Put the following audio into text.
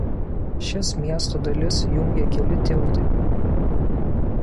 Šias miesto dalis jungia keli tiltai.